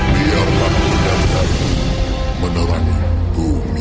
biarlah benda benda itu menerangi bumi